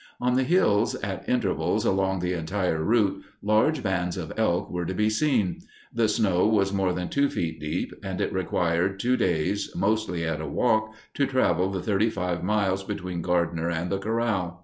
On the hills at intervals along the entire route large bands of elk were to be seen. The snow was more than two feet deep, and it required two days, mostly at a walk, to travel the thirty five miles between Gardiner and the corral.